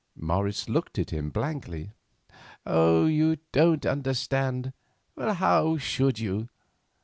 Morris looked at him blankly. "You don't understand—how should you?